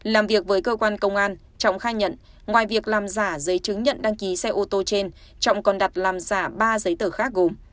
làm việc với cơ quan công an trọng khai nhận ngoài việc làm giả giấy chứng nhận đăng ký xe ô tô trên trọng còn đặt làm giả ba giấy tờ khác gồm